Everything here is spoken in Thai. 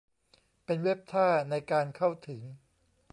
เป็นเว็บท่าในการเข้าถึง